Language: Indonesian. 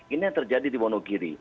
ini yang terjadi di wonogiri